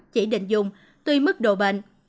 chỉ định dùng tuy mức độ bệnh